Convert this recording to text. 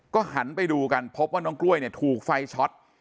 ก็หันไปดูกันพบว่าน้องกล้วยเนี่ยถูกไฟช็อต